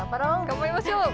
頑張りましょう！